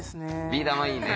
ビー玉いいね。